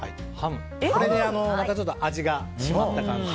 これでまたちょっと味が締まった感じに。